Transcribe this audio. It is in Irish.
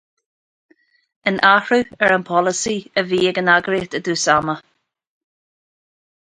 In athrú ar an bpolasaí a bhí ag an eagraíocht i dtús ama.